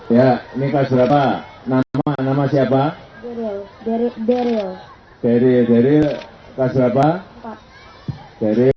ya ini kata nama nama siapa dari dari dari dari